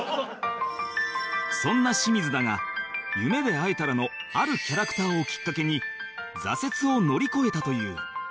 そんな清水だが『夢で逢えたら』のあるキャラクターをきっかけに挫折を乗り越えたという